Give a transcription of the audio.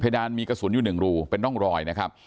ดานมีกระสุนอยู่๑รูเป็นร่องรอยนะครับ